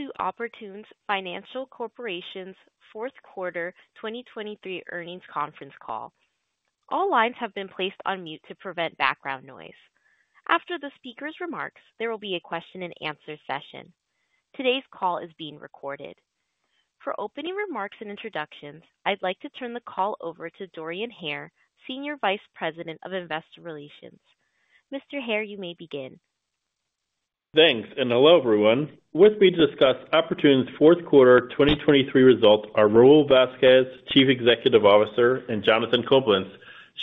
Welcome to Oportun Financial Corporation's Fourth Quarter 2023 Earnings Conference Call. All lines have been placed on mute to prevent background noise. After the speaker's remarks, there will be a question-and-answer session. Today's call is being recorded. For opening remarks and introductions, I'd like to turn the call over to Dorian Hare, Senior Vice President of Investor Relations. Mr. Hare, you may begin. Thanks, and hello, everyone. With me to discuss Oportun's fourth quarter 2023 results are Raul Vazquez, Chief Executive Officer, and Jonathan Coblentz,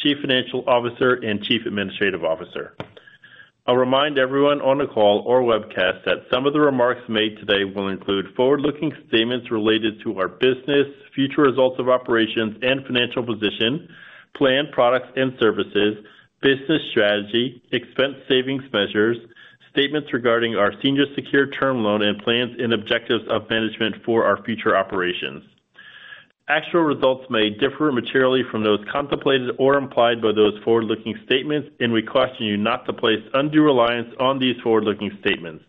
Chief Financial Officer and Chief Administrative Officer. I'll remind everyone on the call or webcast that some of the remarks made today will include forward-looking statements related to our business, future results of operations and financial position, planned products and services, business strategy, expense savings measures, statements regarding our Senior Secured Term Loan and plans and objectives of management for our future operations. Actual results may differ materially from those contemplated or implied by those forward-looking statements, and we caution you not to place undue reliance on these forward-looking statements.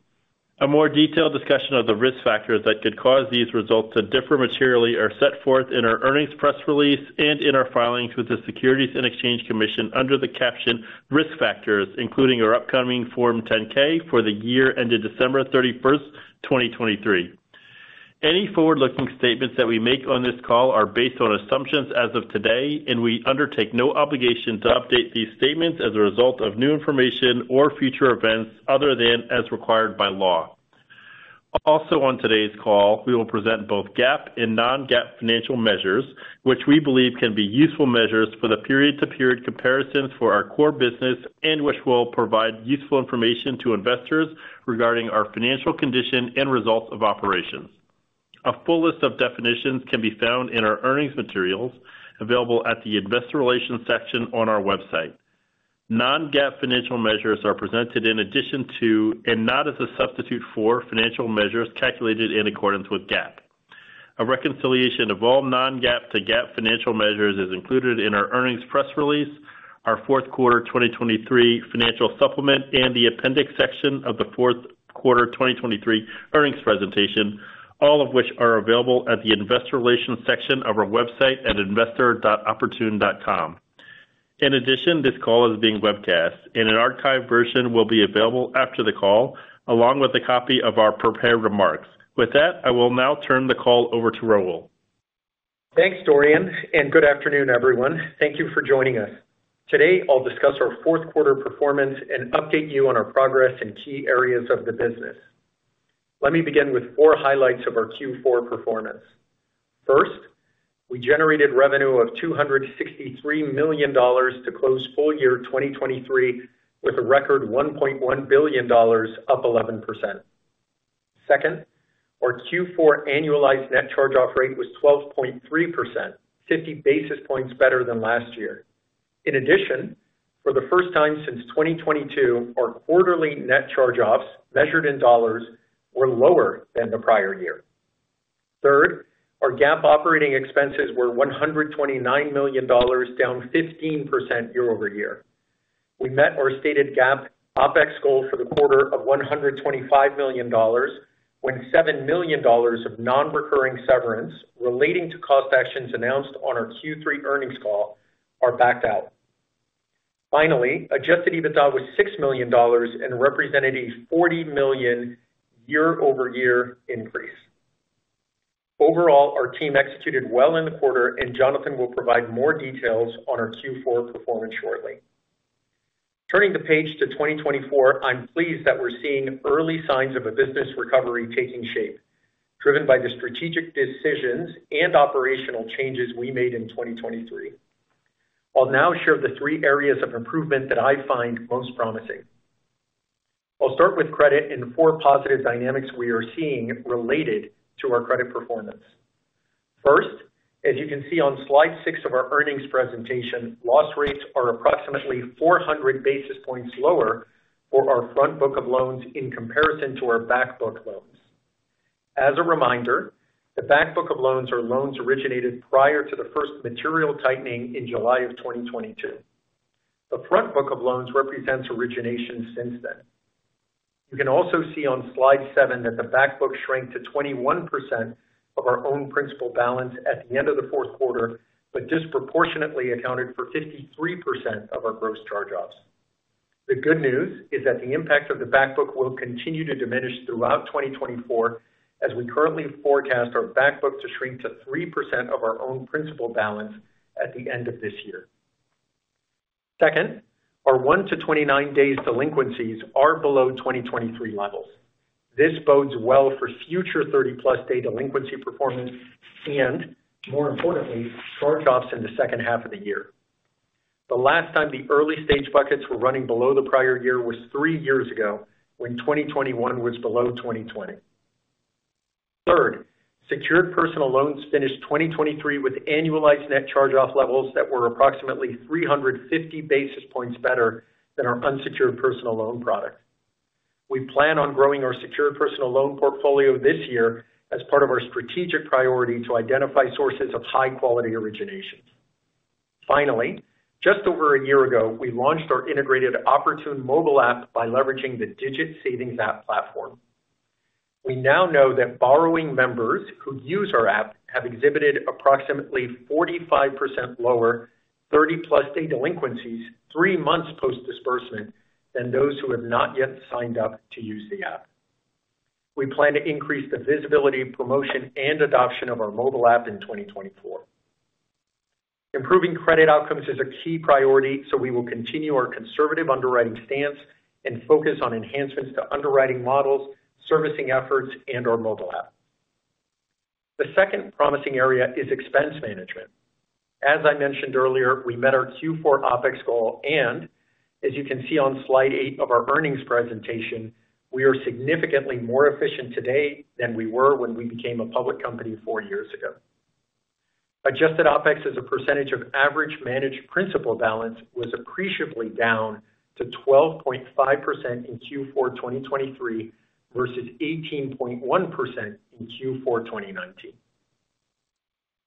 A more detailed discussion of the risk factors that could cause these results to differ materially are set forth in our earnings press release and in our filings with the Securities and Exchange Commission under the caption Risk Factors, including our upcoming Form 10-K for the year ended December 31st, 2023. Any forward-looking statements that we make on this call are based on assumptions as of today, and we undertake no obligation to update these statements as a result of new information or future events other than as required by law. Also, on today's call, we will present both GAAP and non-GAAP financial measures, which we believe can be useful measures for the period-to-period comparisons for our core business and which will provide useful information to investors regarding our financial condition and results of operations. A full list of definitions can be found in our earnings materials, available at the Investor Relations section on our website. Non-GAAP financial measures are presented in addition to, and not as a substitute for, financial measures calculated in accordance with GAAP. A reconciliation of all non-GAAP to GAAP financial measures is included in our earnings press release, our fourth quarter 2023 financial supplement, and the appendix section of the fourth quarter 2023 earnings presentation, all of which are available at the Investor Relations section of our website at investor.oportun.com. In addition, this call is being webcast and an archived version will be available after the call, along with a copy of our prepared remarks. With that, I will now turn the call over to Raul. Thanks, Dorian, and good afternoon, everyone. Thank you for joining us. Today, I'll discuss our fourth quarter performance and update you on our progress in key areas of the business. Let me begin with four highlights of our Q4 performance. First, we generated revenue of $263 million to close full year 2023 with a record $1.1 billion, up 11%. Second, our Q4 annualized net charge-off rate was 12.3%, 50 basis points better than last year. In addition, for the first time since 2022, our quarterly net charge-offs, measured in dollars, were lower than the prior year. Third, our GAAP operating expenses were $129 million, down 15% year-over-year. We met our stated GAAP OPEX goal for the quarter of $125 million, when $7 million of non-recurring severance relating to cost actions announced on our Q3 earnings call are backed out. Finally, Adjusted EBITDA was $6 million and represented a $40 million year-over-year increase. Overall, our team executed well in the quarter, and Jonathan will provide more details on our Q4 performance shortly. Turning the page to 2024, I'm pleased that we're seeing early signs of a business recovery taking shape, driven by the strategic decisions and operational changes we made in 2023. I'll now share the three areas of improvement that I find most promising. I'll start with credit and the four positive dynamics we are seeing related to our credit performance. First, as you can see on slide six of our earnings presentation, loss rates are approximately 400 basis points lower for our front book of loans in comparison to our back book loans. As a reminder, the back book of loans are loans originated prior to the first material tightening in July of 2022. The front book of loans represents originations since then. You can also see on slide seven that the back book shrank to 21% of our owned principal balance at the end of the fourth quarter, but disproportionately accounted for 53% of our gross charge-offs. The good news is that the impact of the back book will continue to diminish throughout 2024, as we currently forecast our back book to shrink to 3% of our owned principal balance at the end of this year. Second, our 1-29 days delinquencies are below 2023 levels. This bodes well for future 30+ day delinquency performance and, more importantly, charge-offs in the second half of the year. The last time the early-stage buckets were running below the prior year was 3 years ago, when 2021 was below 2020. Third, secured personal loans finished 2023 with annualized net charge-off levels that were approximately 350 basis points better than our unsecured personal loan product. We plan on growing our secured personal loan portfolio this year as part of our strategic priority to identify sources of high-quality originations....Finally, just over a year ago, we launched our integrated Oportun mobile app by leveraging the Digit savings app platform. We now know that borrowing members who use our app have exhibited approximately 45% lower 30+ day delinquencies, three months post disbursement than those who have not yet signed up to use the app. We plan to increase the visibility, promotion, and adoption of our mobile app in 2024. Improving credit outcomes is a key priority, so we will continue our conservative underwriting stance and focus on enhancements to underwriting models, servicing efforts, and our mobile app. The second promising area is expense management. As I mentioned earlier, we met our Q4 OpEx goal, and as you can see on slide 8 of our earnings presentation, we are significantly more efficient today than we were when we became a public company four years ago. Adjusted OpEx as a percentage of average managed principal balance was appreciably down to 12.5% in Q4 2023, versus 18.1% in Q4 2019.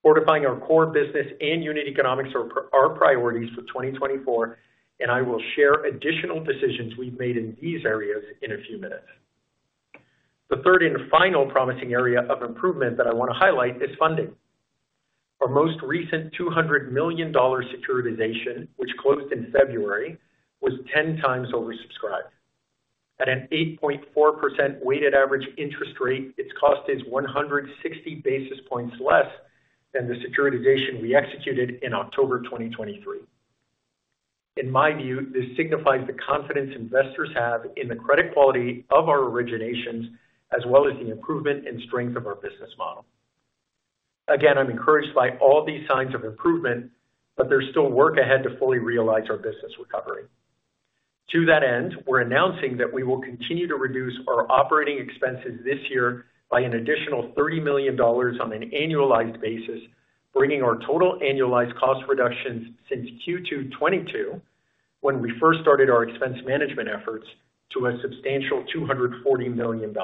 Fortifying our core business and unit economics are priorities for 2024, and I will share additional decisions we've made in these areas in a few minutes. The third and final promising area of improvement that I want to highlight is funding. Our most recent $200 million securitization, which closed in February, was 10 times oversubscribed. At an 8.4% weighted average interest rate, its cost is 160 basis points less than the securitization we executed in October 2023. In my view, this signifies the confidence investors have in the credit quality of our originations, as well as the improvement and strength of our business model. Again, I'm encouraged by all these signs of improvement, but there's still work ahead to fully realize our business recovery. To that end, we're announcing that we will continue to reduce our operating expenses this year by an additional $30 million on an annualized basis, bringing our total annualized cost reductions since Q2 2022, when we first started our expense management efforts, to a substantial $240 million.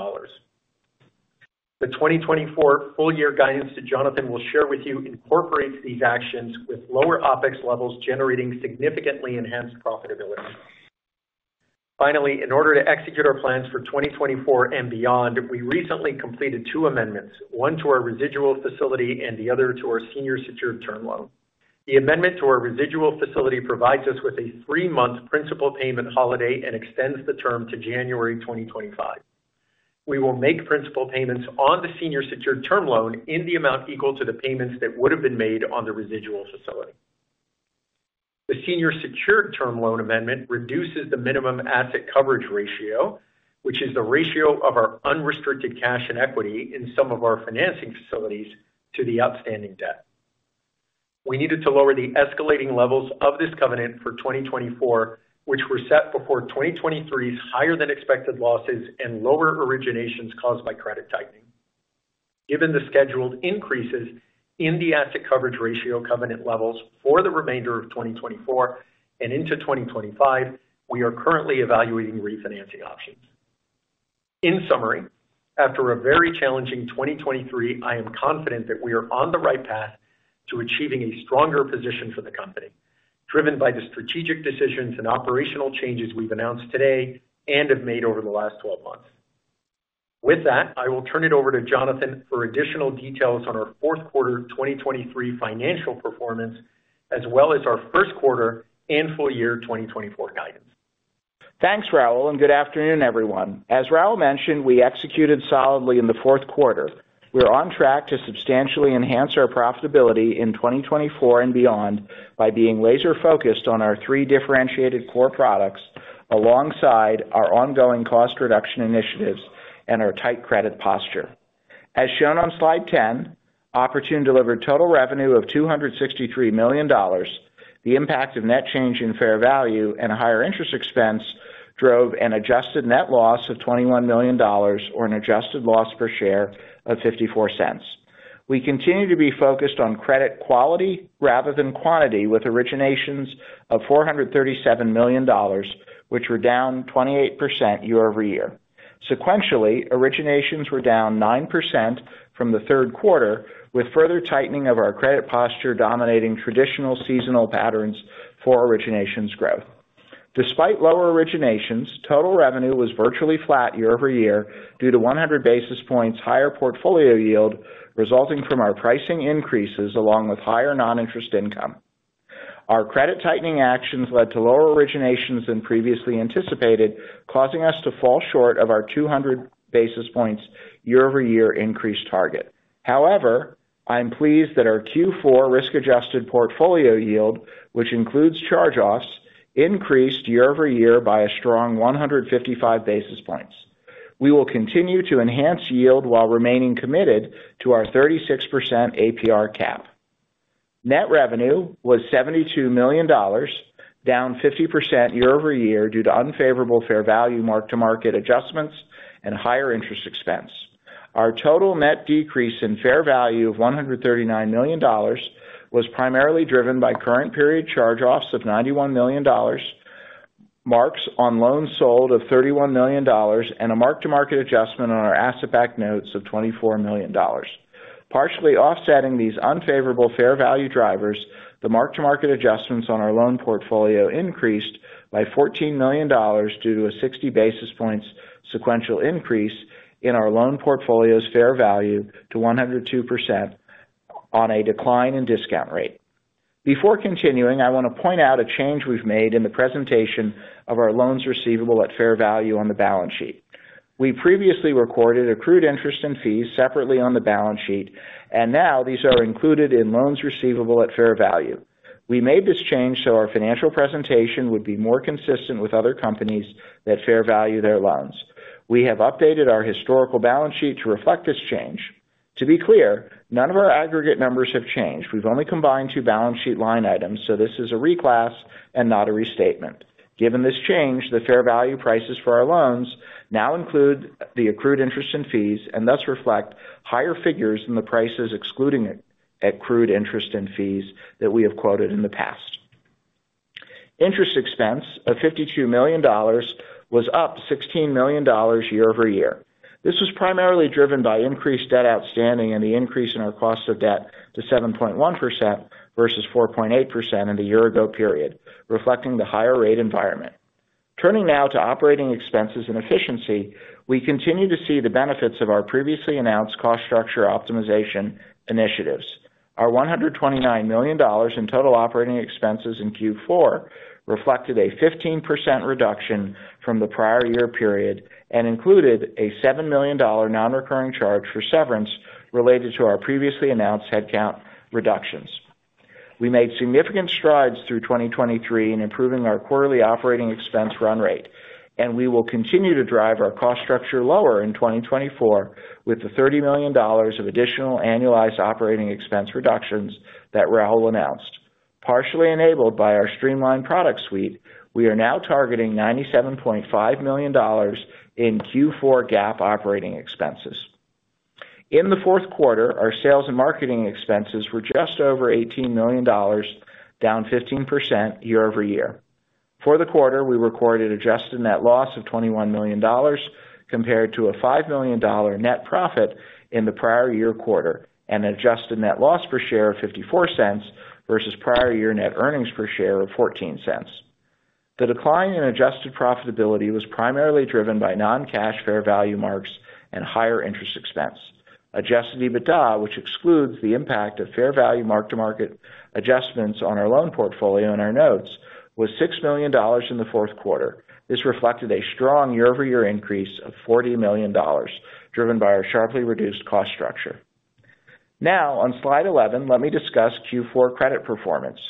The 2024 full year guidance that Jonathan will share with you incorporates these actions, with lower OpEx levels generating significantly enhanced profitability. Finally, in order to execute our plans for 2024 and beyond, we recently completed two amendments, one to our Residual Facility and the other to our Senior Secured Term Loan. The amendment to our Residual Facility provides us with a three-month principal payment holiday and extends the term to January 2025. We will make principal payments on the Senior Secured Term Loan in the amount equal to the payments that would have been made on the Residual Facility. The Senior Secured Term Loan amendment reduces the minimum Asset Coverage Ratio, which is the ratio of our unrestricted cash and equity in some of our financing facilities to the outstanding debt. We needed to lower the escalating levels of this covenant for 2024, which were set before 2023's higher than expected losses and lower originations caused by credit tightening. Given the scheduled increases in the Asset Coverage Ratio covenant levels for the remainder of 2024 and into 2025, we are currently evaluating refinancing options. In summary, after a very challenging 2023, I am confident that we are on the right path to achieving a stronger position for the company, driven by the strategic decisions and operational changes we've announced today and have made over the last 12 months. With that, I will turn it over to Jonathan for additional details on our fourth quarter 2023 financial performance, as well as our first quarter and full year 2024 guidance. Thanks, Raul, and good afternoon, everyone. As Raul mentioned, we executed solidly in the fourth quarter. We are on track to substantially enhance our profitability in 2024 and beyond by being laser focused on our three differentiated core products, alongside our ongoing cost reduction initiatives and our tight credit posture. As shown on slide 10, Oportun delivered total revenue of $263 million. The impact of net change in fair value and a higher interest expense drove an adjusted net loss of $21 million, or an adjusted loss per share of $0.54. We continue to be focused on credit quality rather than quantity, with originations of $437 million, which were down 28% year-over-year. Sequentially, originations were down 9% from the third quarter, with further tightening of our credit posture dominating traditional seasonal patterns for originations growth. Despite lower originations, total revenue was virtually flat year-over-year, due to 100 basis points higher portfolio yield, resulting from our pricing increases along with higher non-interest income. Our credit tightening actions led to lower originations than previously anticipated, causing us to fall short of our 200 basis points year-over-year increase target. However, I am pleased that our Q4 risk-adjusted portfolio yield, which includes charge-offs, increased year-over-year by a strong 155 basis points. We will continue to enhance yield while remaining committed to our 36% APR cap. Net revenue was $72 million, down 50% year-over-year due to unfavorable fair value mark-to-market adjustments and higher interest expense. Our total net decrease in fair value of $139 million was primarily driven by current period charge-offs of $91 million. Marks on loans sold of $31 million and a mark-to-market adjustment on our asset-backed notes of $24 million. Partially offsetting these unfavorable fair value drivers, the mark-to-market adjustments on our loan portfolio increased by $14 million due to a 60 basis points sequential increase in our loan portfolio's fair value to 102% on a decline in discount rate. Before continuing, I want to point out a change we've made in the presentation of our loans receivable at fair value on the balance sheet. We previously recorded accrued interest and fees separately on the balance sheet, and now these are included in loans receivable at fair value. We made this change so our financial presentation would be more consistent with other companies that fair value their loans. We have updated our historical balance sheet to reflect this change. To be clear, none of our aggregate numbers have changed. We've only combined two balance sheet line items, so this is a reclass and not a restatement. Given this change, the fair value prices for our loans now include the accrued interest and fees, and thus reflect higher figures than the prices excluding it, accrued interest and fees that we have quoted in the past. Interest expense of $52 million was up $16 million year-over-year. This was primarily driven by increased debt outstanding and the increase in our cost of debt to 7.1% versus 4.8% in the year-ago period, reflecting the higher rate environment. Turning now to operating expenses and efficiency, we continue to see the benefits of our previously announced cost structure optimization initiatives. Our $129 million in total operating expenses in Q4 reflected a 15% reduction from the prior year period and included a $7 million non-recurring charge for severance related to our previously announced headcount reductions. We made significant strides through 2023 in improving our quarterly operating expense run rate, and we will continue to drive our cost structure lower in 2024, with the $30 million of additional annualized operating expense reductions that Raul announced. Partially enabled by our streamlined product suite, we are now targeting $97.5 million in Q4 GAAP operating expenses. In the fourth quarter, our sales and marketing expenses were just over $18 million, down 15% year-over-year. For the quarter, we recorded adjusted net loss of $21 million compared to a $5 million net profit in the prior year quarter, and an adjusted net loss per share of $0.54 versus prior year net earnings per share of $0.14. The decline in adjusted profitability was primarily driven by non-cash fair value marks and higher interest expense. Adjusted EBITDA, which excludes the impact of fair value mark-to-market adjustments on our loan portfolio and our notes, was $6 million in the fourth quarter. This reflected a strong year-over-year increase of $40 million, driven by our sharply reduced cost structure. Now on slide 11, let me discuss Q4 credit performance.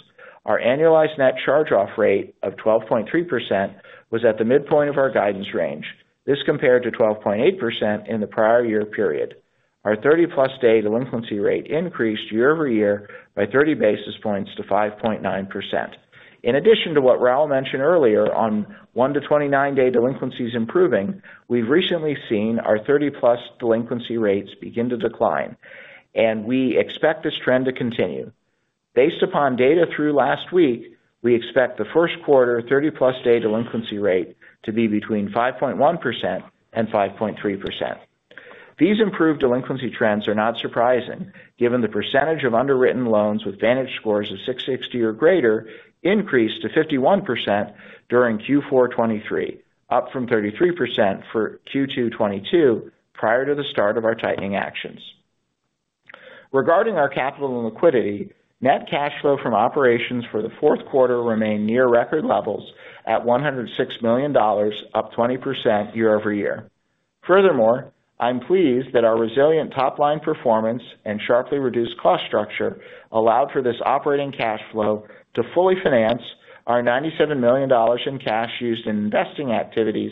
Our annualized net charge-off rate of 12.3% was at the midpoint of our guidance range. This compared to 12.8% in the prior year period. Our 30+ day delinquency rate increased year-over-year by 30 basis points to 5.9%. In addition to what Raul mentioned earlier on 1-29 day delinquencies improving, we've recently seen our 30+ delinquency rates begin to decline, and we expect this trend to continue. Based upon data through last week, we expect the first quarter 30+ day delinquency rate to be between 5.1% and 5.3%. These improved delinquency trends are not surprising, given the percentage of underwritten loans with Vantage Scores of 660 or greater increased to 51% during Q4 2023, up from 33% for Q2 2022, prior to the start of our tightening actions. Regarding our capital and liquidity, net cash flow from operations for the fourth quarter remained near record levels at $106 million, up 20% year-over-year. Furthermore, I'm pleased that our resilient top-line performance and sharply reduced cost structure allowed for this operating cash flow to fully finance our $97 million in cash used in investing activities,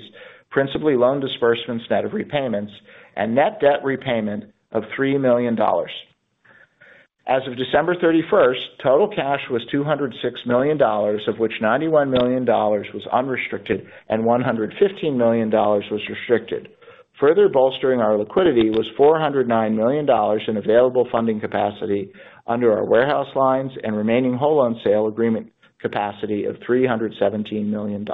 principally loan disbursements net of repayments, and net debt repayment of $3 million. As of December 31st, total cash was $206 million, of which $91 million was unrestricted and $115 million was restricted. Further bolstering our liquidity was $409 million in available funding capacity under our warehouse lines and remaining whole loan sale agreement capacity of $317 million.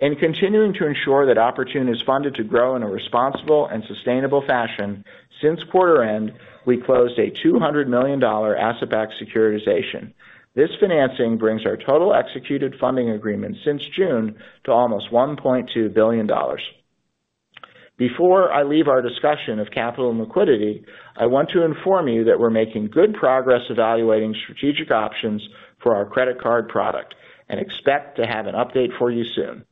In continuing to ensure that Oportun is funded to grow in a responsible and sustainable fashion, since quarter end, we closed a $200 million asset-backed securitization. This financing brings our total executed funding agreement since June to almost $1.2 billion. Before I leave our discussion of capital and liquidity, I want to inform you that we're making good progress evaluating strategic options for our credit card product and expect to have an update for you soon.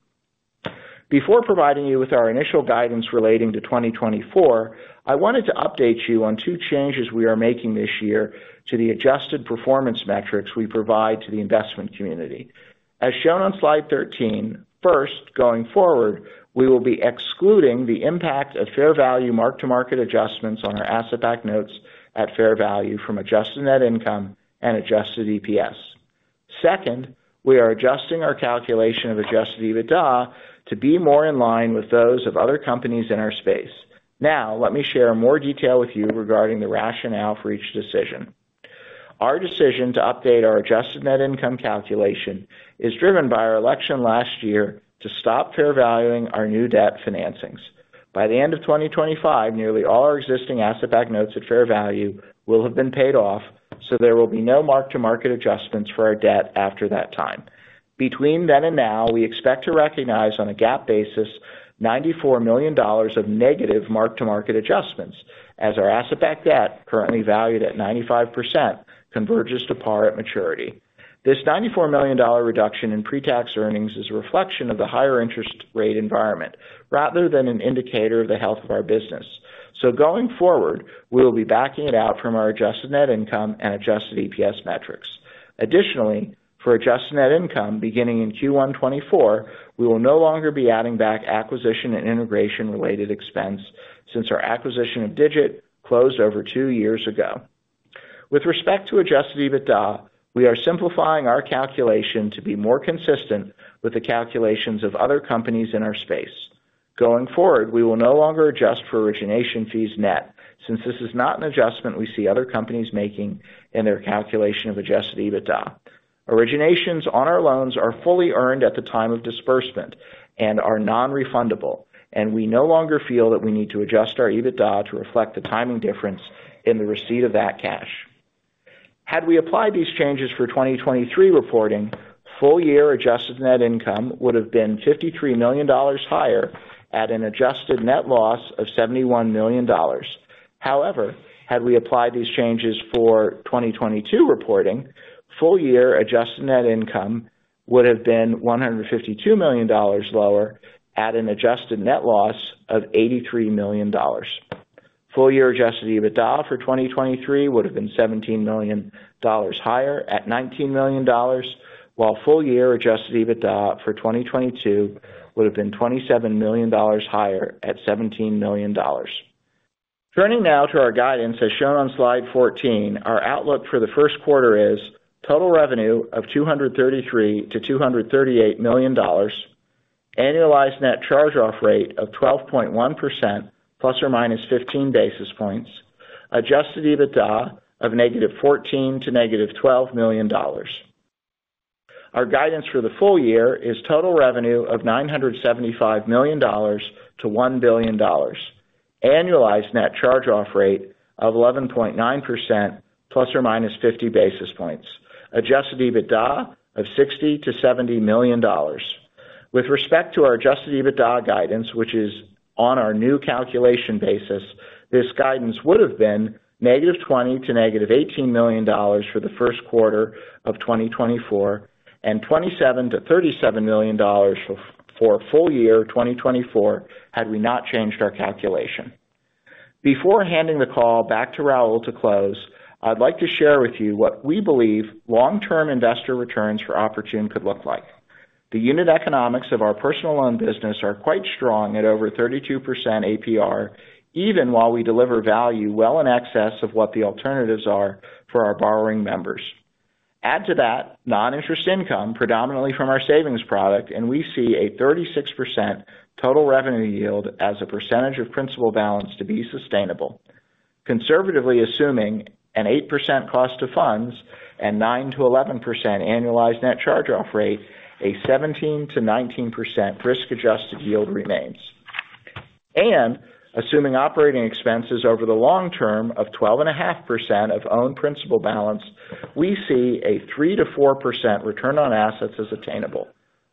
Before providing you with our initial guidance relating to 2024, I wanted to update you on two changes we are making this year to the Adjusted performance metrics we provide to the investment community. As shown on Slide 13, first, going forward, we will be excluding the impact of Fair Value Mark-to-Market adjustments on our asset-backed notes at fair value from Adjusted Net Income and Adjusted EPS. Second, we are adjusting our calculation of Adjusted EBITDA to be more in line with those of other companies in our space. Now, let me share more detail with you regarding the rationale for each decision. Our decision to update our adjusted net income calculation is driven by our election last year to stop fair valuing our new debt financings. By the end of 2025, nearly all our existing asset-backed notes at fair value will have been paid off, so there will be no mark-to-market adjustments for our debt after that time. Between then and now, we expect to recognize, on a GAAP basis, $94 million of negative mark-to-market adjustments, as our asset-backed debt, currently valued at 95%, converges to par at maturity. This $94 million reduction in pre-tax earnings is a reflection of the higher interest rate environment rather than an indicator of the health of our business. So going forward, we will be backing it out from our adjusted net income and adjusted EPS metrics. Additionally, for Adjusted Net Income, beginning in Q1 2024, we will no longer be adding back acquisition and integration-related expense since our acquisition of Digit closed over two years ago. With respect to Adjusted EBITDA, we are simplifying our calculation to be more consistent with the calculations of other companies in our space. Going forward, we will no longer adjust for origination fees net, since this is not an adjustment we see other companies making in their calculation of Adjusted EBITDA. Originations on our loans are fully earned at the time of disbursement and are non-refundable, and we no longer feel that we need to adjust our EBITDA to reflect the timing difference in the receipt of that cash. Had we applied these changes for 2023 reporting, full-year Adjusted Net Income would have been $53 million higher at an Adjusted Net loss of $71 million. However, had we applied these changes for 2022 reporting, full-year adjusted net income would have been $152 million lower at an adjusted net loss of $83 million. Full-year adjusted EBITDA for 2023 would have been $17 million higher at $19 million, while full-year adjusted EBITDA for 2022 would have been $27 million higher at $17 million. Turning now to our guidance, as shown on slide 14, our outlook for the first quarter is: total revenue of $233 million-$238 million, annualized net charge-off rate of 12.1%, ±15 basis points, adjusted EBITDA of -$14 million to -$12 million. Our guidance for the full year is total revenue of $975 million-$1 billion, annualized net charge-off rate of 11.9%, ±50 basis points, adjusted EBITDA of $60 million-$70 million. With respect to our adjusted EBITDA guidance, which is on our new calculation basis, this guidance would have been -$20 million-$18 million for the first quarter of 2024, and $27 million-$37 million for full year 2024, had we not changed our calculation. Before handing the call back to Raul to close, I'd like to share with you what we believe long-term investor returns for Oportun could look like. The unit economics of our personal loan business are quite strong at over 32% APR, even while we deliver value well in excess of what the alternatives are for our borrowing members. Add to that non-interest income, predominantly from our savings product, and we see a 36% total revenue yield as a percentage of principal balance to be sustainable. Conservatively assuming an 8% cost of funds and 9%-11% annualized net charge-off rate, a 17%-19% risk-adjusted yield remains. And assuming operating expenses over the long term of 12.5% of owned principal balance, we see a 3%-4% return on assets as attainable.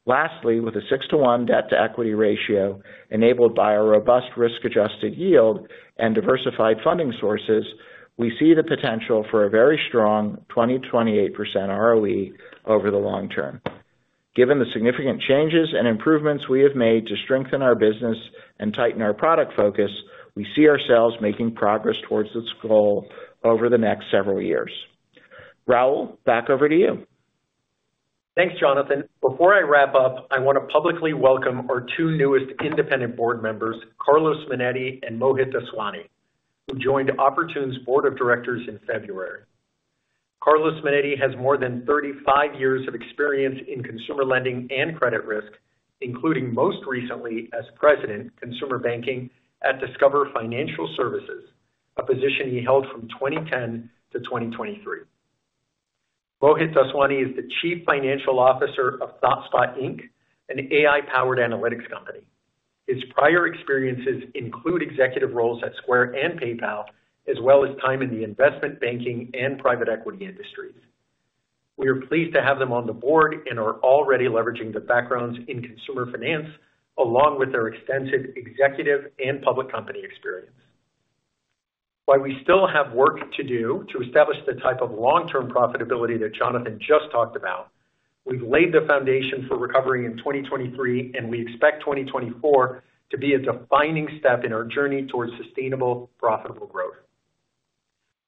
Lastly, with a 6-to-1 debt-to-equity ratio enabled by a robust risk-adjusted yield and diversified funding sources, we see the potential for a very strong 20%-28% ROE over the long term. Given the significant changes and improvements we have made to strengthen our business and tighten our product focus, we see ourselves making progress towards this goal over the next several years. Raul, back over to you. Thanks, Jonathan. Before I wrap up, I want to publicly welcome our two newest independent board members, Carlos Minetti and Mohit Daswani, who joined Oportun's board of directors in February. Carlos Minetti has more than 35 years of experience in consumer lending and credit risk, including most recently as President, Consumer Banking at Discover Financial Services, a position he held from 2010 to 2023. Mohit Daswani is the Chief Financial Officer of ThoughtSpot, Inc., an AI-powered analytics company. His prior experiences include executive roles at Square and PayPal, as well as time in the investment banking and private equity industries. We are pleased to have them on the board and are already leveraging their backgrounds in consumer finance, along with their extensive executive and public company experience. While we still have work to do to establish the type of long-term profitability that Jonathan just talked about, we've laid the foundation for recovering in 2023, and we expect 2024 to be a defining step in our journey towards sustainable, profitable growth.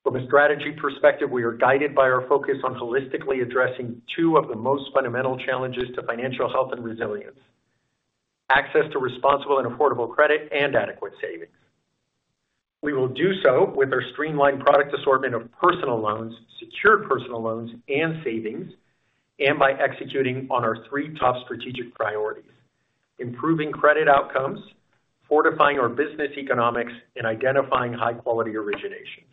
From a strategy perspective, we are guided by our focus on holistically addressing two of the most fundamental challenges to financial health and resilience: access to responsible and affordable credit and adequate savings. We will do so with our streamlined product assortment of personal loans, secured personal loans and savings, and by executing on our three top strategic priorities: improving credit outcomes, fortifying our business economics, and identifying high-quality originations.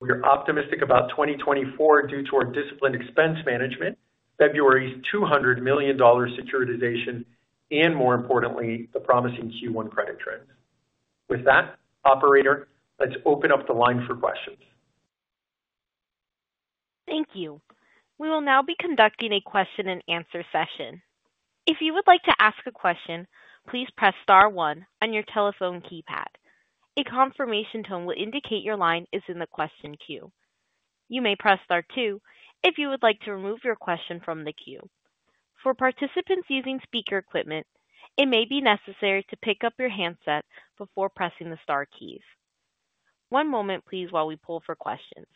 We are optimistic about 2024 due to our disciplined expense management, February's $200 million securitization, and more importantly, the promising Q1 credit trends. With that, operator, let's open up the line for questions. Thank you. We will now be conducting a question-and-answer session. If you would like to ask a question, please press star one on your telephone keypad. A confirmation tone will indicate your line is in the question queue. You may press star two if you would like to remove your question from the queue. For participants using speaker equipment, it may be necessary to pick up your handset before pressing the star keys. One moment, please, while we pull for questions.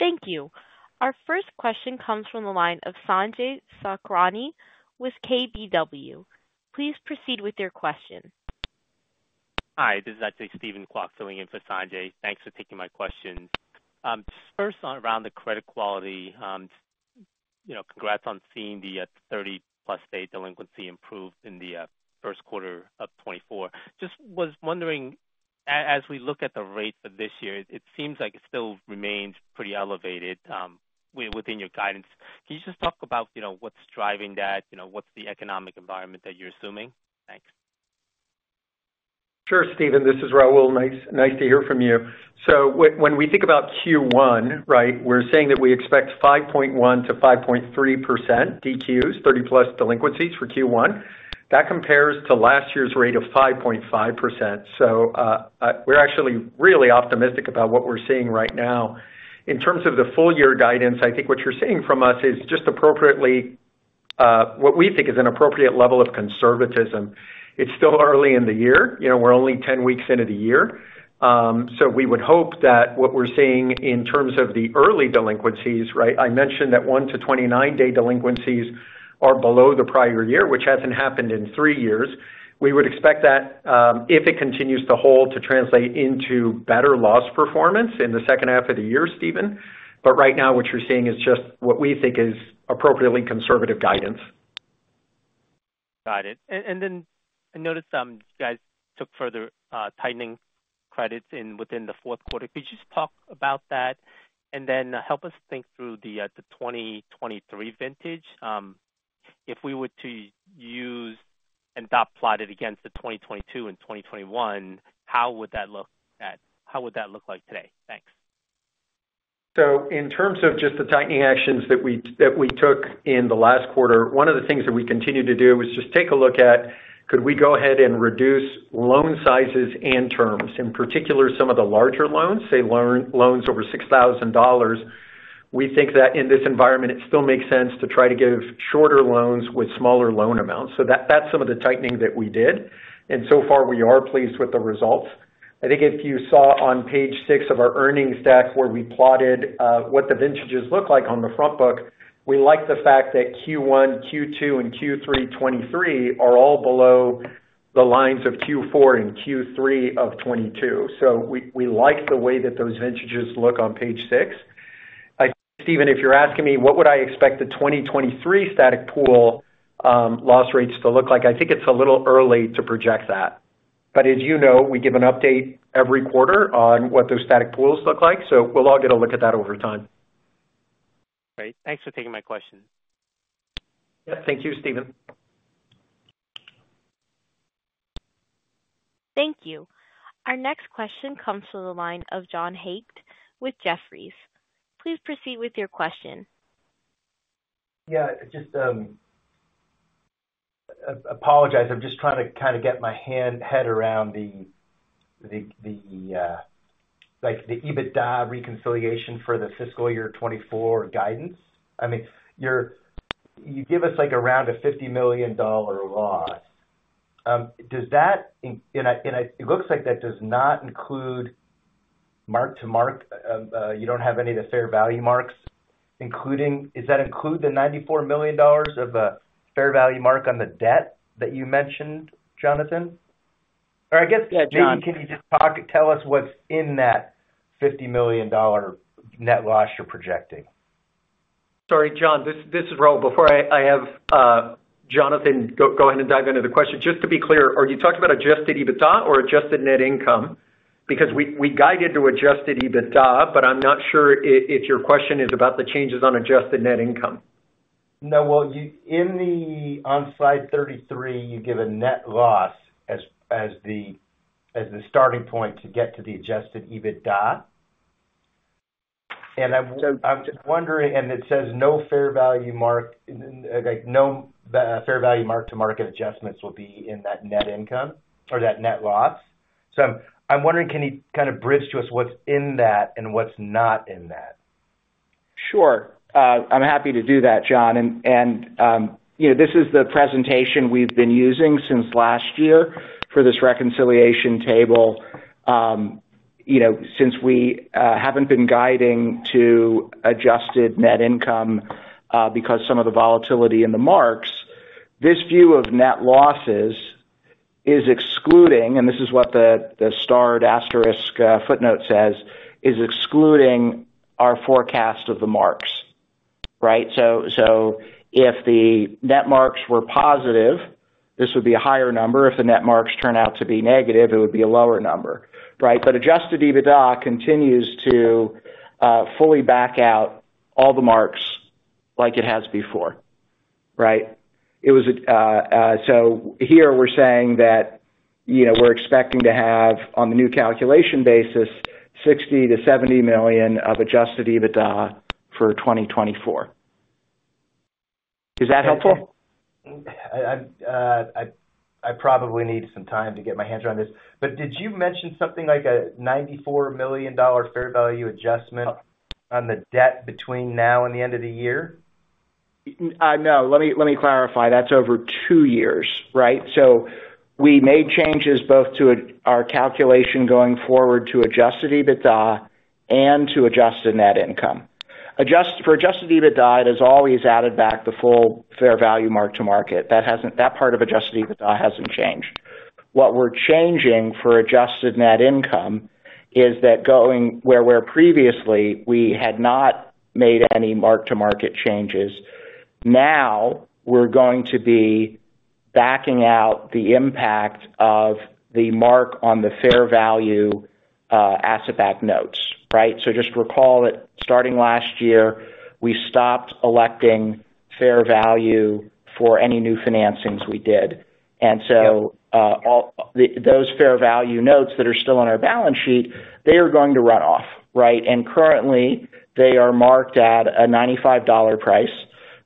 Thank you. Our first question comes from the line of Sanjay Sakhrani with KBW. Please proceed with your question. Hi, this is actually Steven Kwok filling in for Sanjay. Thanks for taking my questions. Just first around the credit quality, you know, congrats on seeing the thirty-plus day delinquency improve in the first quarter of 2024. Just was wondering, as we look at the rates of this year, it seems like it still remains pretty elevated, within your guidance. Can you just talk about, you know, what's driving that? You know, what's the economic environment that you're assuming? Thanks. Sure, Steven. This is Raul. Nice to hear from you. So when we think about Q1, right, we're saying that we expect 5.1%-5.3% DQs, 30+ delinquencies for Q1. That compares to last year's rate of 5.5%. So, we're actually really optimistic about what we're seeing right now. In terms of the full year guidance, I think what you're seeing from us is just appropriately what we think is an appropriate level of conservatism. It's still early in the year. You know, we're only 10 weeks into the year. So we would hope that what we're seeing in terms of the early delinquencies, right, I mentioned that 1-29 day delinquencies are below the prior year, which hasn't happened in three years. We would expect that, if it continues to hold, to translate into better loss performance in the second half of the year, Steven. But right now, what you're seeing is just what we think is appropriately conservative guidance. Got it. And, and then I noticed, you guys took further tightening credits in the fourth quarter. Could you just talk about that? And then help us think through the 2023 vintage. If we were to use and dot plot it against the 2022 and 2021, how would that look like today? Thanks. So in terms of just the tightening actions that we, that we took in the last quarter, one of the things that we continued to do was just take a look at, could we go ahead and reduce loan sizes and terms, in particular, some of the larger loans, say, loans over $6,000. We think that in this environment, it still makes sense to try to give shorter loans with smaller loan amounts. So that's some of the tightening that we did, and so far we are pleased with the results. I think if you saw on page six of our earnings deck, where we plotted what the vintages look like on the front book, we like the fact that Q1, Q2, and Q3 2023 are all below the lines of Q4 and Q3 of 2022. So we like the way that those vintages look on page six. I, Steven, if you're asking me, what would I expect the 2023 static pool loss rates to look like? I think it's a little early to project that. But as you know, we give an update every quarter on what those static pools look like, so we'll all get a look at that over time. Great. Thanks for taking my question. Yeah. Thank you, Steven. Thank you. Our next question comes from the line of John Hecht with Jefferies. Please proceed with your question. Yeah, just apologize, I'm just trying to kind of get my head around the like the EBITDA reconciliation for the fiscal year 2024 guidance. I mean, you give us, like, around a $50 million dollar loss. Does that and I it looks like that does not include mark-to-market. You don't have any of the fair value marks, including... Does that include the $94 million dollars of fair value mark on the debt that you mentioned, Jonathan? Or I guess- Yeah, John. Maybe can you just talk, tell us what's in that $50 million net loss you're projecting? Sorry, John, this is Raul. Before I have Jonathan go ahead and dive into the question, just to be clear, are you talking about Adjusted EBITDA or Adjusted Net Income? Because we guided to Adjusted EBITDA, but I'm not sure if your question is about the changes on Adjusted Net Income. No, well, on slide 33, you give a net loss as the starting point to get to the Adjusted EBITDA. And I'm- So- I'm just wondering, and it says, no fair value mark, like, no, fair value mark-to-market adjustments will be in that net income or that net loss. So I'm wondering, can you kind of bridge to us what's in that and what's not in that? Sure. I'm happy to do that, John. And you know, this is the presentation we've been using since last year for this reconciliation table.... you know, since we haven't been guiding to adjusted net income, because some of the volatility in the marks, this view of net losses is excluding, and this is what the starred asterisk footnote says, is excluding our forecast of the marks, right? So if the net marks were positive, this would be a higher number. If the net marks turn out to be negative, it would be a lower number, right? But Adjusted EBITDA continues to fully back out all the marks like it has before, right? So here we're saying that, you know, we're expecting to have, on the new calculation basis, $60 million-$70 million of Adjusted EBITDA for 2024. Is that helpful? I probably need some time to get my hands around this, but did you mention something like a $94 million fair value adjustment on the debt between now and the end of the year? No. Let me, let me clarify. That's over two years, right? So we made changes both to our calculation going forward to adjusted EBITDA and to adjusted net income. For adjusted EBITDA, it has always added back the full fair value mark-to-market. That part of adjusted EBITDA hasn't changed. What we're changing for adjusted net income is that going where previously we had not made any mark-to-market changes, now we're going to be backing out the impact of the mark on the fair value asset-backed notes, right? So just recall that starting last year, we stopped electing fair value for any new financings we did. Yep. And so, all those fair value notes that are still on our balance sheet, they are going to run off, right? And currently, they are marked at a $95 price,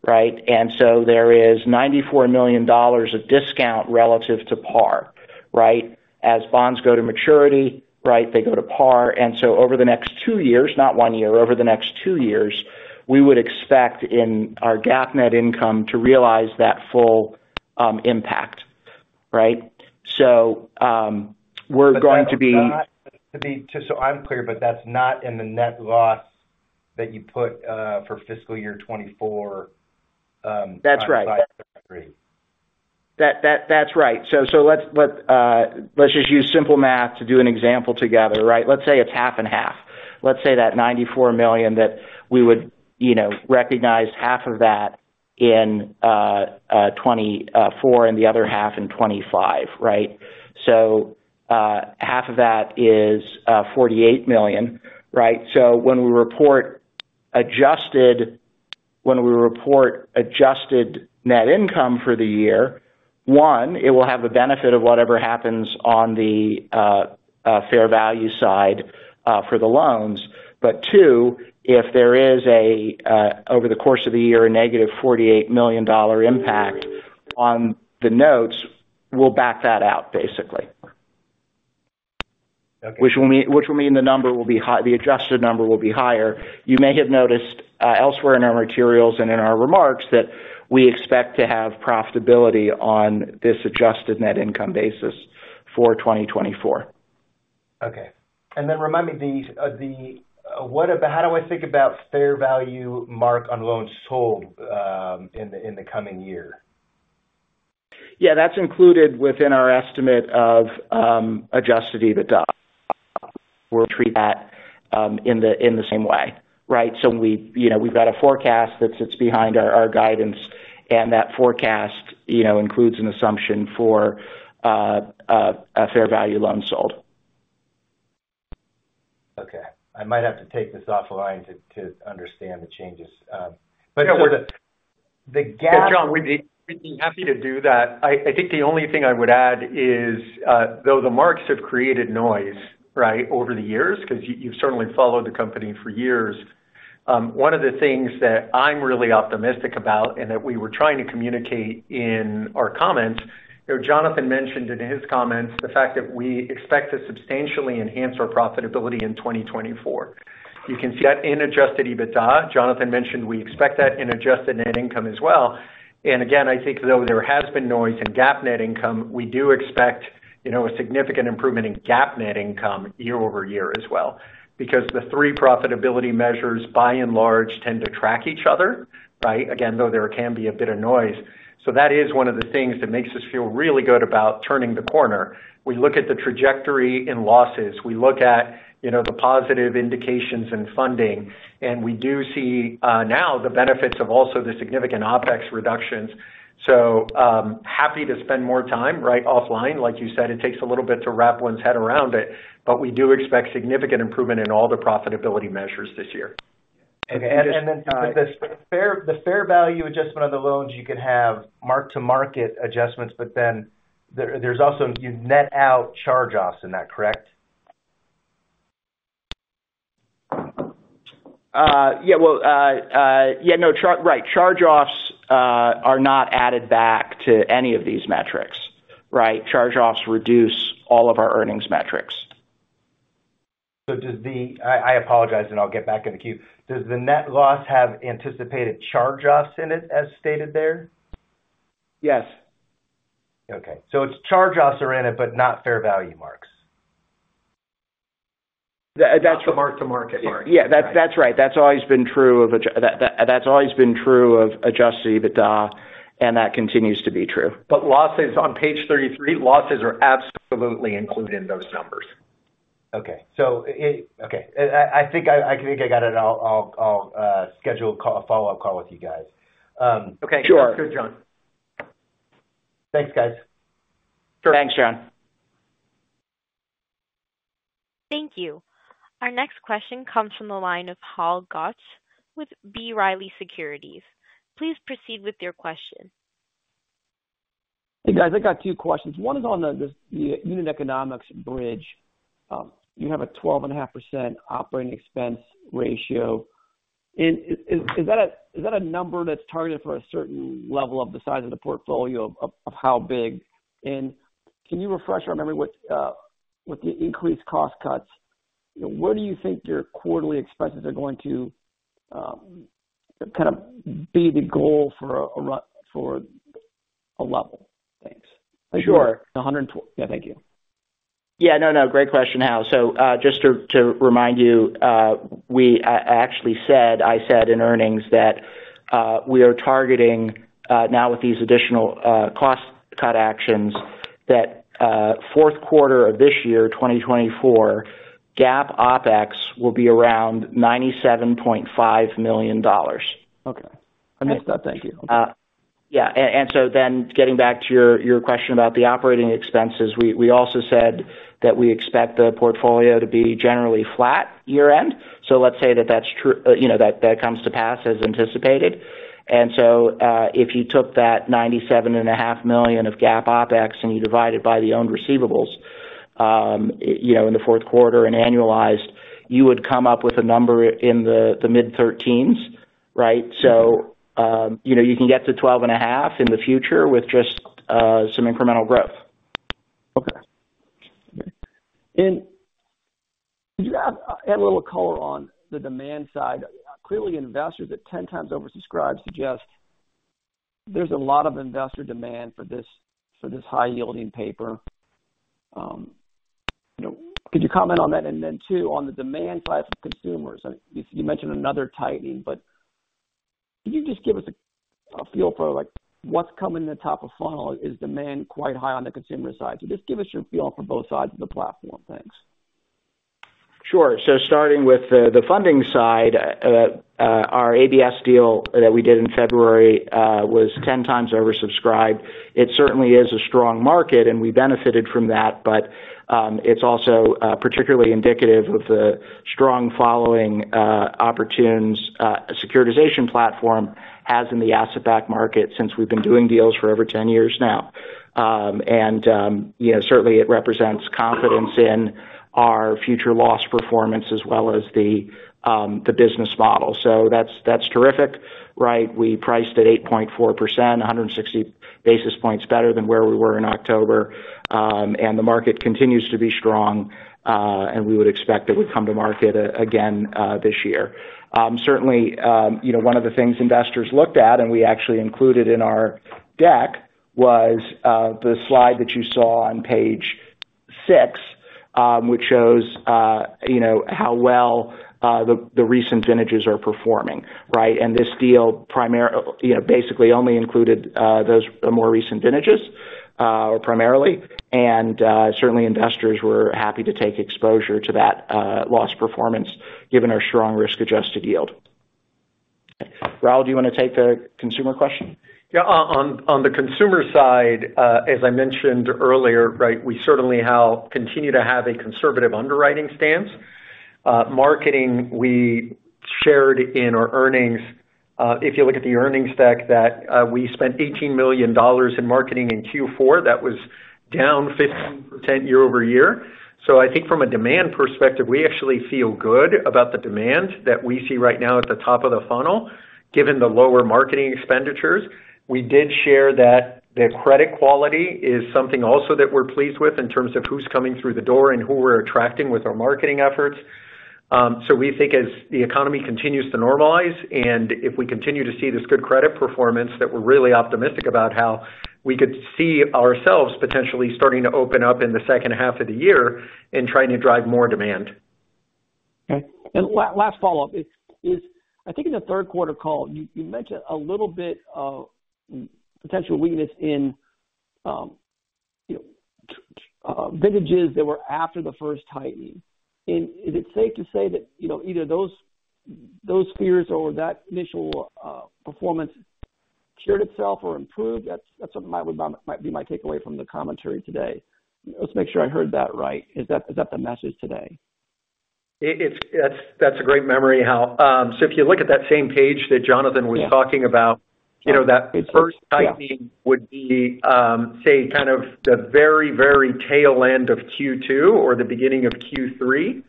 right? And so there is $94 million of discount relative to par, right? As bonds go to maturity, right, they go to par. And so over the next two years, not one year, over the next two years, we would expect in our GAAP net income to realize that full impact, right? So, we're going to be- Just so I'm clear, but that's not in the net loss that you put for fiscal year 2024, That's right On slide 33. That's right. So let's just use simple math to do an example together, right? Let's say it's half and half. Let's say that $94 million that we would, you know, recognize half of that in 2024 and the other half in 2025, right? So half of that is $48 million, right? So when we report adjusted net income for the year, one, it will have the benefit of whatever happens on the fair value side for the loans. But two, if there is a, over the course of the year, a negative $48 million dollar impact on the notes, we'll back that out, basically. Okay. Which will mean, which will mean the number will be high, the adjusted number will be higher. You may have noticed elsewhere in our materials and in our remarks, that we expect to have profitability on this Adjusted Net Income basis for 2024. Okay. And then remind me, the, the, what about how do I think about fair value mark on loans sold in the coming year? Yeah, that's included within our estimate of Adjusted EBITDA. We'll treat that in the same way, right? So we, you know, we've got a forecast that sits behind our guidance, and that forecast, you know, includes an assumption for a fair value loan sold. Okay. I might have to take this offline to understand the changes. But- The GAAP- John, we'd be happy to do that. I, I think the only thing I would add is, though the marks have created noise, right, over the years, 'cause you, you've certainly followed the company for years. One of the things that I'm really optimistic about and that we were trying to communicate in our comments, you know, Jonathan mentioned in his comments the fact that we expect to substantially enhance our profitability in 2024. You can see that in adjusted EBITDA. Jonathan mentioned we expect that in adjusted net income as well. And again, I think though there has been noise in GAAP net income, we do expect, you know, a significant improvement in GAAP net income year-over-year as well, because the three profitability measures, by and large, tend to track each other, right? Again, though, there can be a bit of noise. So that is one of the things that makes us feel really good about turning the corner. We look at the trajectory in losses, we look at, you know, the positive indications in funding, and we do see now the benefits of also the significant OpEx reductions. So, happy to spend more time, right, offline. Like you said, it takes a little bit to wrap one's head around it, but we do expect significant improvement in all the profitability measures this year. And then, the fair value adjustment of the loans, you can have mark-to-market adjustments, but then there's also you net out charge-offs in that, correct? Yeah, well, yeah, no, right. Charge-offs are not added back to any of these metrics, right? Charge-offs reduce all of our earnings metrics. I apologize, and I'll get back in the queue. Does the net loss have anticipated charge-offs in it, as stated there? Yes.... Okay, so it's charge-offs are in it, but not fair value marks? That, that's- Not the mark-to-market mark. Yeah, that's right. That's always been true of Adjusted EBITDA, and that continues to be true. But losses on page 33, losses are absolutely included in those numbers. Okay. I think I got it. I'll schedule a follow-up call with you guys. Okay. Sure, John. Thanks, guys. Thanks, John. Thank you. Our next question comes from the line of Hal Goetsch with B. Riley Securities. Please proceed with your question. Hey, guys, I got two questions. One is on the unit economics bridge. You have a 12.5% operating expense ratio. And is that a number that's targeted for a certain level of the size of the portfolio, of how big? And can you refresh our memory with the increased cost cuts, you know, where do you think your quarterly expenses are going to kind of be the goal for a level? Thanks. Sure. Yeah, thank you. Yeah, no, no, great question, Hal. So, just to remind you, we—I actually said, I said in earnings that we are targeting now with these additional cost cut actions, that fourth quarter of this year, 2024, GAAP OPEX will be around $97.5 million. Okay. I missed that. Thank you. Yeah, and, and so then getting back to your, your question about the operating expenses, we, we also said that we expect the portfolio to be generally flat year-end. So let's say that that's true, you know, that, that comes to pass as anticipated. And so, if you took that $97.5 million of GAAP OPEX, and you divide it by the owned receivables, you know, in the fourth quarter and annualized, you would come up with a number in the, the mid-13s, right? So, you know, you can get to 12.5 in the future with just, some incremental growth. Okay. And could you add a little color on the demand side? Clearly, investors at 10 times oversubscribed suggest there's a lot of investor demand for this, for this high-yielding paper. You know, could you comment on that? And then too, on the demand side for consumers, you mentioned another tightening, but can you just give us a feel for, like, what's coming in the top of funnel? Is demand quite high on the consumer side? So just give us your feel for both sides of the platform. Thanks. Sure. So starting with the funding side, our ABS deal that we did in February was 10 times oversubscribed. It certainly is a strong market, and we benefited from that. But it's also particularly indicative of the strong following Oportun's securitization platform has in the asset-backed market since we've been doing deals for over 10 years now. And you know, certainly it represents confidence in our future loss performance as well as the business model. So that's terrific, right? We priced at 8.4%, 160 basis points better than where we were in October. And the market continues to be strong, and we would expect it would come to market again this year. Certainly, you know, one of the things investors looked at, and we actually included in our deck, was the slide that you saw on page six, which shows, you know, how well the recent vintages are performing, right? And this deal primarily, you know, basically only included those more recent vintages, primarily. And certainly investors were happy to take exposure to that loss performance, given our strong risk-adjusted yield. Raul, do you want to take the consumer question? Yeah. On the consumer side, as I mentioned earlier, right, we certainly continue to have a conservative underwriting stance. Marketing, we shared in our earnings, if you look at the earnings deck, that we spent $18 million in marketing in Q4. That was down 15% year-over-year. So I think from a demand perspective, we actually feel good about the demand that we see right now at the top of the funnel, given the lower marketing expenditures. We did share that the credit quality is something also that we're pleased with in terms of who's coming through the door and who we're attracting with our marketing efforts. So we think as the economy continues to normalize, and if we continue to see this good credit performance, that we're really optimistic about how we could see ourselves potentially starting to open up in the second half of the year and trying to drive more demand. Okay. And last follow-up. I think in the third quarter call, you mentioned a little bit of potential weakness in, you know, vintages that were after the first tightening. And is it safe to say that, you know, either those fears or that initial performance cured itself or improved? That's what might be my takeaway from the commentary today. Let's make sure I heard that right. Is that the message today? It's... That's, that's a great memory, Hal. So if you look at that same page that Jonathan was talking about- Yeah. you know, that first tightening- Yeah -would be, say, kind of the very, very tail end of Q2 or the beginning of Q3.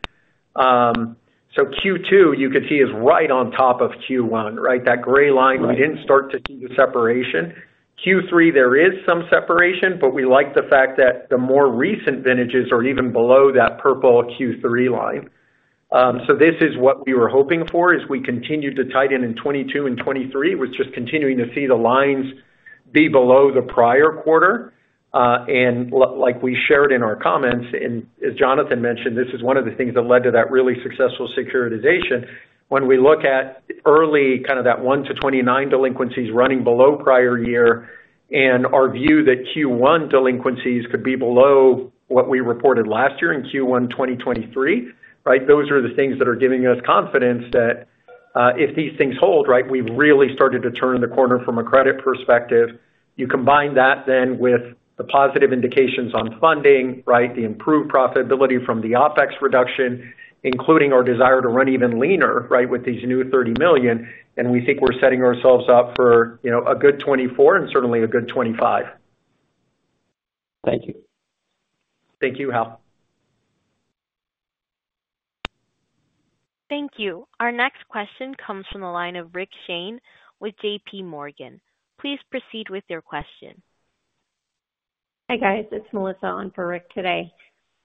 So Q2, you could see, is right on top of Q1, right? That gray line- Right... we didn't start to see the separation. Q3, there is some separation, but we like the fact that the more recent vintages are even below that purple Q3 line.... So this is what we were hoping for, as we continued to tighten in 2022 and 2023, was just continuing to see the lines be below the prior quarter. And like we shared in our comments, and as Jonathan mentioned, this is one of the things that led to that really successful securitization. When we look at early, kind of, that 1-29 delinquencies running below prior year, and our view that Q1 delinquencies could be below what we reported last year in Q1 2023, right? Those are the things that are giving us confidence that, if these things hold, right, we've really started to turn the corner from a credit perspective. You combine that then with the positive indications on funding, right? The improved profitability from the OpEx reduction, including our desire to run even leaner, right, with these new $30 million, and we think we're setting ourselves up for, you know, a good 2024 and certainly a good 2025. Thank you. Thank you, Hal. Thank you. Our next question comes from the line of Rick Shane with JPMorgan. Please proceed with your question. Hi, guys. It's Melissa on for Rick today.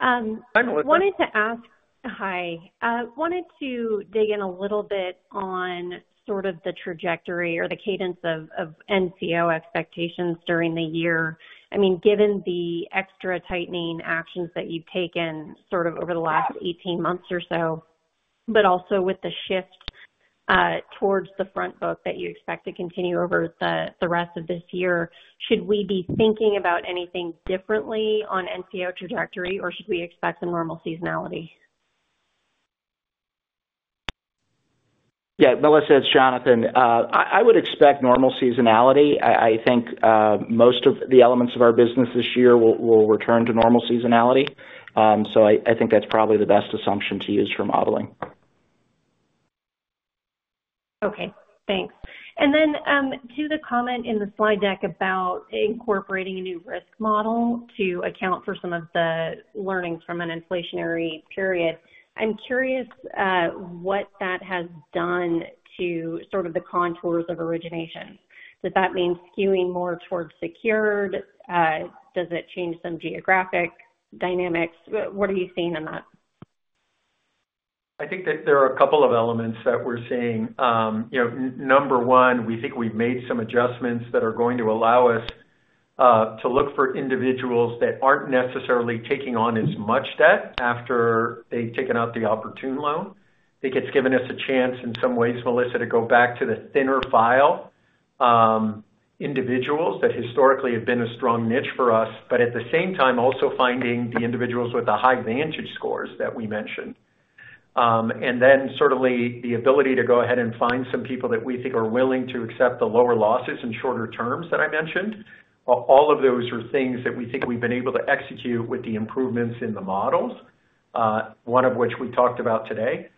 Hi, Melissa. Wanted to ask... Hi. Wanted to dig in a little bit on sort of the trajectory or the cadence of, of NCO expectations during the year. I mean, given the extra tightening actions that you've taken sort of over the last 18 months or so, but also with the shift towards the front book that you expect to continue over the, the rest of this year. Should we be thinking about anything differently on NCO trajectory, or should we expect a normal seasonality? Yeah, Melissa, it's Jonathan. I would expect normal seasonality. I think most of the elements of our business this year will return to normal seasonality. So I think that's probably the best assumption to use for modeling. Okay, thanks. And then, to the comment in the slide deck about incorporating a new risk model to account for some of the learnings from an inflationary period, I'm curious, what that has done to sort of the contours of origination. Does that mean skewing more towards secured? Does it change some geographic dynamics? What are you seeing in that? I think that there are a couple of elements that we're seeing. You know, number one, we think we've made some adjustments that are going to allow us to look for individuals that aren't necessarily taking on as much debt after they've taken out the Oportun loan. I think it's given us a chance, in some ways, Melissa, to go back to the thinner file, individuals that historically have been a strong niche for us, but at the same time, also finding the individuals with the high Vantage Scores that we mentioned. And then certainly the ability to go ahead and find some people that we think are willing to accept the lower losses and shorter terms that I mentioned. All, all of those are things that we think we've been able to execute with the improvements in the models, one of which we talked about today.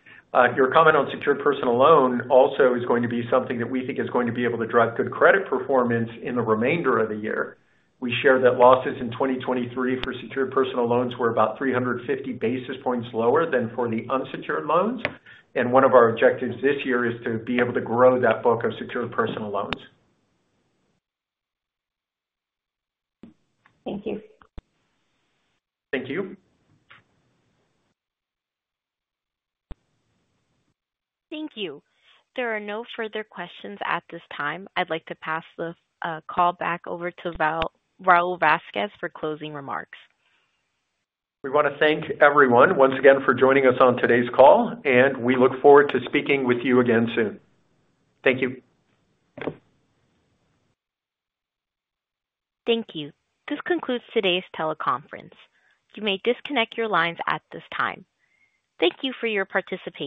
Your comment on secured personal loan also is going to be something that we think is going to be able to drive good credit performance in the remainder of the year. We share that losses in 2023 for secured personal loans were about 350 basis points lower than for the unsecured loans, and one of our objectives this year is to be able to grow that book of secured personal loans. Thank you. Thank you. Thank you. There are no further questions at this time. I'd like to pass the call back over to Raul Vazquez for closing remarks. We want to thank everyone once again for joining us on today's call, and we look forward to speaking with you again soon. Thank you. Thank you. This concludes today's teleconference. You may disconnect your lines at this time. Thank you for your participation.